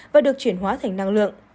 và được chuyển hóa thành năng lượng